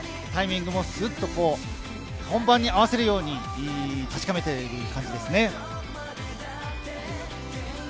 タイミングもすっと本番に合わせるように、確かめている感じですね。